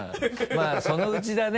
まぁそのうちだね。